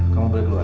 kamu beri keluar